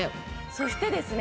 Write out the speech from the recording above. そしてですね